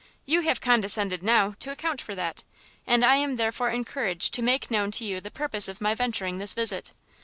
You have condescended, now, to account for that, and I am therefore encouraged to make known to you the purpose of my venturing this visit.